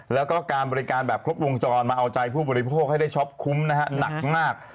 แล้วก็การบริการแบบครบวงจรมาเอาใจผู้บริโภคให้ได้ช็อปคุ้มนะฮะหนักมาก